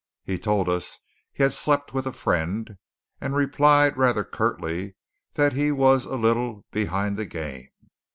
He told us he had slept with a friend, and replied rather curtly that he was a "little behind the game."